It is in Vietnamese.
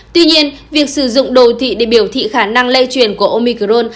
tuy nhiên việc sử dụng đồ thị để biểu thị khả năng lây truyền của omicron